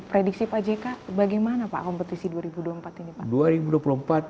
prediksi pak jk bagaimana pak kompetisi dua ribu dua puluh empat ini pak